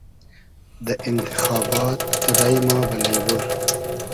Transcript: دۂ اینتیخابات رݷ ما بئلݷ بور